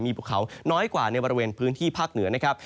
มีภูเขาน้อยกว่าในบริเวณพื้นที่ภาคเหนือนะครับ